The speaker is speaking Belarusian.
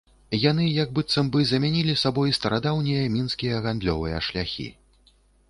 Яны як быццам бы замянілі сабой старадаўнія мінскія гандлёвыя шляхі.